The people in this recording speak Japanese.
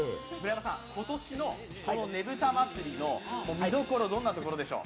今年のねぶた祭の見どころどんなところでしょう？